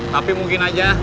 tapi mungkin aja